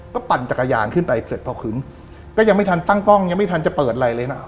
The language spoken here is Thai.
ก็ปั่นจักรยานขึ้นไปเสร็จพอขึ้นก็ยังไม่ทันตั้งกล้องยังไม่ทันจะเปิดอะไรเลยนะ